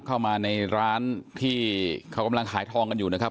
เข้ามาในร้านที่เขากำลังขายทองกันอยู่นะครับ